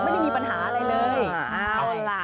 ไม่ได้มีปัญหาอะไรเลย